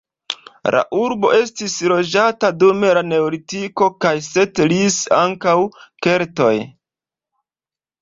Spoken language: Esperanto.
La urbo estis loĝata dum la neolitiko kaj setlis ankaŭ keltoj.